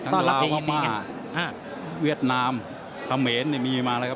ทั้งลาวพม่าเวียดนามทะเมนมีมาเลยครับ